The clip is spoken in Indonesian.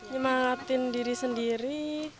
nyemangatin diri sendiri